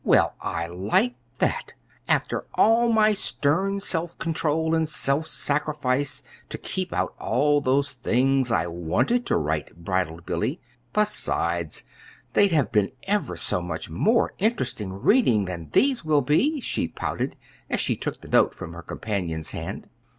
"Well, I like that! after all my stern self control and self sacrifice to keep out all those things I wanted to write," bridled Billy. "Besides, they'd have been ever so much more interesting reading than these will be," she pouted, as she took the note from her companion's hand.